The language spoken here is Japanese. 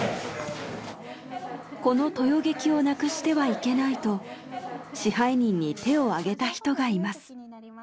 この豊劇をなくしてはいけないと支配人に手を挙げた人がいます。